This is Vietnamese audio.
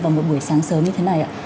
vào một buổi sáng sớm như thế này